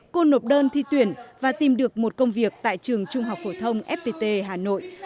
cô nộp đơn thi tuyển và tìm được một công việc tại trường trung học phổ thông fpt hà nội